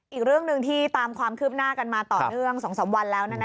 อีกเรื่องหนึ่งที่ตามความคืบหน้ากันมาต่อเนื่อง๒๓วันแล้ว